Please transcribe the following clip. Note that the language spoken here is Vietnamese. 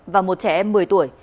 và một trẻ em một mươi tuổi